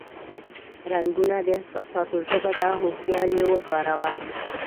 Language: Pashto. رنگونه د احساساتو ژبه ده، هوښیار یې وکاروه.